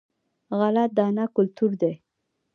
غله دانه کلتور دی.